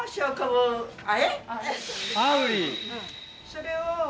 それを。